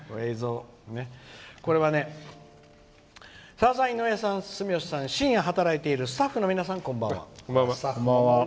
「さださん、井上さん、住吉さん深夜働いているスタッフの皆さんこんばんは。